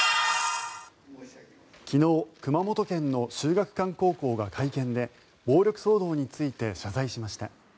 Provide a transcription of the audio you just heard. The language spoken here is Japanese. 昨日熊本県の秀岳館高校が会見で暴力騒動について謝罪しました。